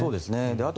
あと